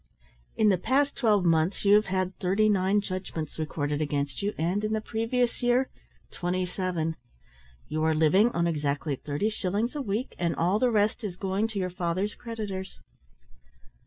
"In the past twelve months you have had thirty nine judgments recorded against you, and in the previous year, twenty seven. You are living on exactly thirty shillings a week, and all the rest is going to your father's creditors."